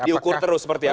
diukur terus seperti apa